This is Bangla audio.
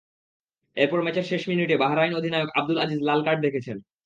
এরপর ম্যাচের শেষ মিনিটে বাহরাইন অধিনায়ক আবদুল আজিজ লাল কার্ড দেখেছেন।